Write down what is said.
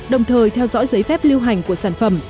đồng thời theo dõi giấy phép lưu hành của sản phẩm